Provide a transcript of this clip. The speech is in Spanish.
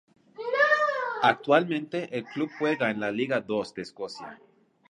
Actualmente el club juega en la Liga Dos de Escocia.